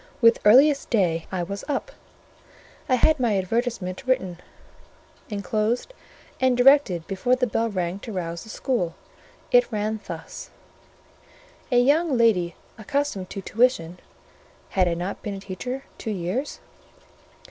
With earliest day, I was up: I had my advertisement written, enclosed, and directed before the bell rang to rouse the school; it ran thus:— "A young lady accustomed to tuition" (had I not been a teacher two years?)